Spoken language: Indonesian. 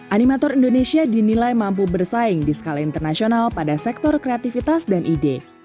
animator indonesia dinilai mampu bersaing di skala internasional pada sektor kreativitas dan ide